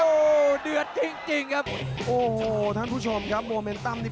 โอ้โหเดือดจริงจริงครับโอ้โหท่านผู้ชมครับโมเมนตั้มนี่